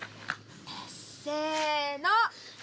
せの。